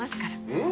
うん。